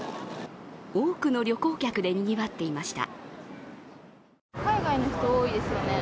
多くの旅行客でにぎわっていました。